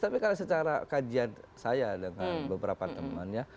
tapi kalau secara kajian saya dengan beberapa temannya